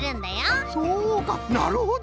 そうかなるほど。